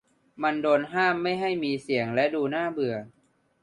มันโดนห้ามไม่ให้มีเสียงและดูน่าเบื่อ